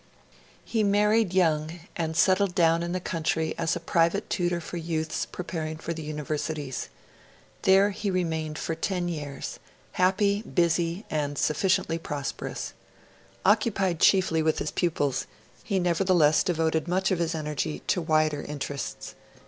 He married young and settled down in the country as a private tutor for youths preparing for the Universities. There he remained for ten years happy, busy, and sufficiently prosperous. Occupied chiefly with his pupils, he nevertheless devoted much of his energy to wider interests.